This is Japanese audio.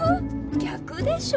逆でしょう。